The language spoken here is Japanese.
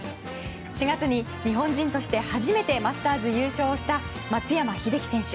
４月に日本人として初めてマスターズ優勝した松山英樹選手。